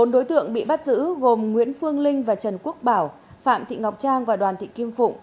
bốn đối tượng bị bắt giữ gồm nguyễn phương linh và trần quốc bảo phạm thị ngọc trang và đoàn thị kim phụng